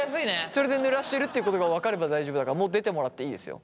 それでぬらしてるっていうことが分かれば大丈夫だからもう出てもらっていいですよ。